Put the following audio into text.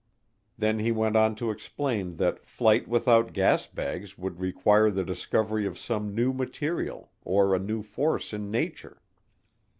Then he went on to explain that flight without gas bags would require the discovery of some new material or a new force in nature.